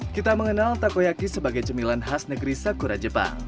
kita mengenal takoyaki sebagai cemilan khas negeri sakura jepang